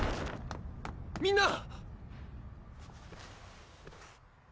みんな！